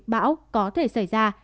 bão có thể xảy ra